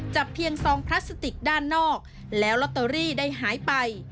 เพียงซองพลาสติกด้านนอกแล้วลอตเตอรี่ได้หายไป